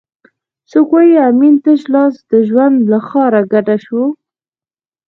څوک وایي امین تش لاس د ژوند له ښاره کډه شو؟